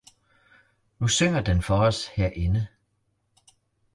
Nu synger den for os herinde